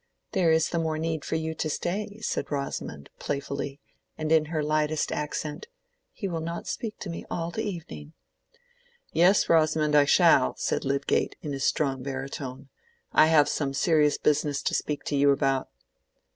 "There is the more need for you to stay," said Rosamond, playfully, and in her lightest accent; "he will not speak to me all the evening." "Yes, Rosamond, I shall," said Lydgate, in his strong baritone. "I have some serious business to speak to you about."